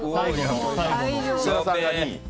設楽さんが２位。